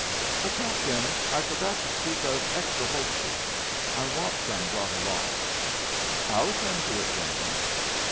Oh, captain! I forgot to speak of extra horseshoes. I want some brought along." "I'll attend to it, General."